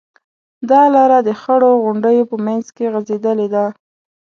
دا لاره د خړو غونډیو په منځ کې غځېدلې ده.